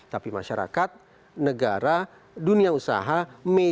tapi masyarakat negara dunia usaha media dan juga masyarakat